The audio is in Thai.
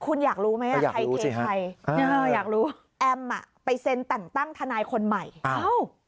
คุณอยากรู้ไหมครับใครเทใครอยากรู้แอมไปเซ็นตั้งธนายคนใหม่อ้าว